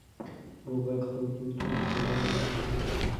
موږ باید خپل کلتور ته درناوی وکړو.